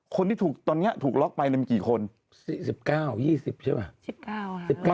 คนที่ถูกตอนเนี้ยถูกล็อกไปนั้นมีกี่คนสี่สิบเก้ายี่สิบใช่ไหมสิบเก้า